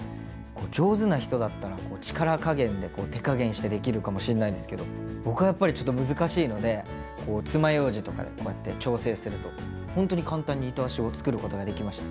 上手な人だったら力加減で手加減してできるかもしんないんですけど僕はやっぱりちょっと難しいのでこうつまようじとかでこうやって調整するとほんとに簡単に糸足を作ることができました。